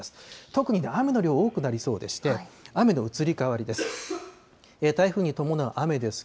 特に雨の量、多くなりそうでして、雨の移り変わりです。